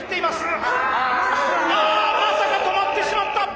まさか止まってしまった！